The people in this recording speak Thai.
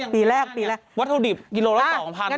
ปีแรกปีแรกวัตถุดิบกิโลละ๒๐๐บาท